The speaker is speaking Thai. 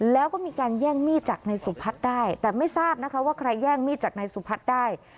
แล้วก็มีการแย่งมีดจากนายสุพัฒน์ได้แต่ไม่ทราบนะคะว่าใครแย่งมีดจากนายสุพัฒน์ได้